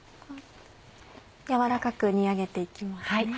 軟らかく煮上げて行きますね。